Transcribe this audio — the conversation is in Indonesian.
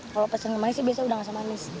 kalau pesen kemanis sih biasanya udang asam manis